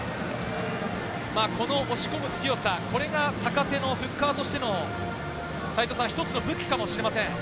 この押し込む強さ、これが坂手のフッカーとしての一つの武器かもしれません。